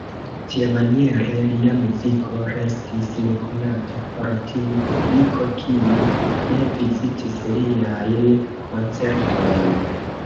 Tiamaniere lia muziko restis nekonata por tiu publiko, kiu ne vizitis liajn koncertojn.